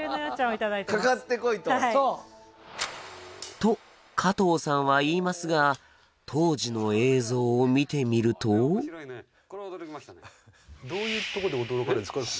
と加藤さんは言いますが当時の映像を見てみるとどういうとこで驚かれるんですか？